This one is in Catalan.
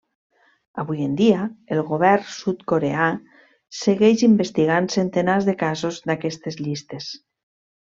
Avui en dia, el govern sud-coreà segueix investigant centenars de casos d'aquestes llistes.